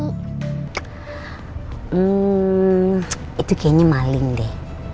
hmm itu kayaknya maling deh